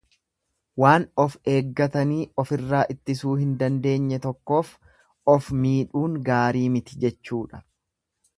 Waan of eeggatanii ofirraa ittisuu hin dandeenye tokkoof of miidhuun gaarii miti jechuudha.